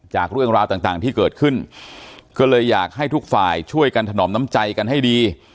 จากเรื่องราวต่างที่เกิดขึ้นก็เลยอยากให้ทุกฝ่ายช่วยกันถนอมน้ำใจกันให้ดี